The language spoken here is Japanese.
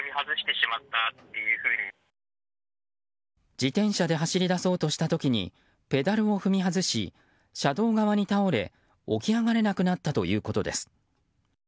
自転車で走り出そうとした時にペダルを踏み外し車道側に倒れ起き上がれなくなったということです。